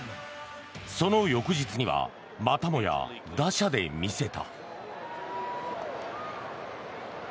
その翌日にはまたもや打者で見せた。